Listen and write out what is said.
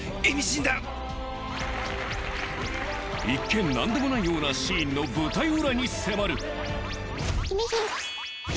一見なんでもないようなシーンの舞台裏に迫る。